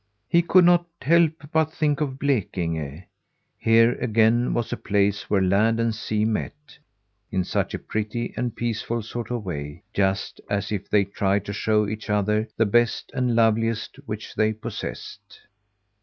He could not help but think of Blekinge. Here again was a place where land and sea met, in such a pretty and peaceful sort of way, just as if they tried to show each other the best and loveliest which they possessed.